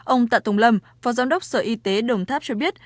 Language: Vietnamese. ông tạ tùng lâm phó giám đốc sở y tế đồng tháp cho biết